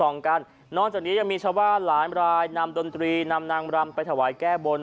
นั่งดนตรีนางลำไปถวายแก้บล